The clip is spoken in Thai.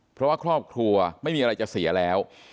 เพราะว่าครอบครัวไม่มีอะไรจะเสียแล้ว